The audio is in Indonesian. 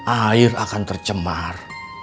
air akan tercemar